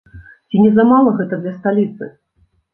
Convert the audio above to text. Ці не замала гэта для сталіцы?